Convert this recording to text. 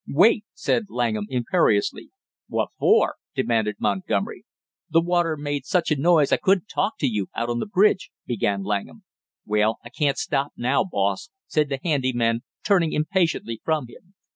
"Wait!" said Langham imperiously. "What for?" demanded Montgomery. "The water made such a noise I couldn't talk to you out on the bridge," began Langham. "Well, I can't stop now, boss," said the handy man, turning impatiently from him.